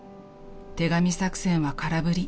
［手紙作戦は空振り］